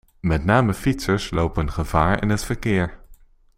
Met name fietsers lopen gevaar in het verkeer.